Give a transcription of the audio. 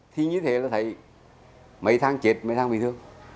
thì như thế là thấy mấy tháng chết mấy tháng bị thương